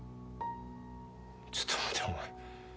ちょっと待てお前。